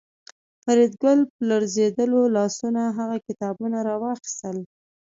فریدګل په لړزېدلو لاسونو هغه کتابونه راواخیستل